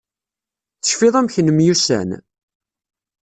Tecfiḍ amek nemyussan?